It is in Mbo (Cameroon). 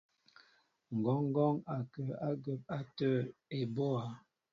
Ŋgɔɔŋgɔn ó kǝǝ agǝǝp atǝǝ ebóá.